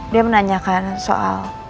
dia menanyakan soal